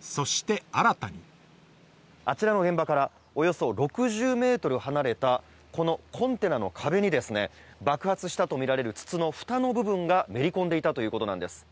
そして新たにあちらの現場からおよそ６０ｍ離れたこのコンテナの壁に爆発したとみられる筒の蓋の部分がめり込んでいたということなんです。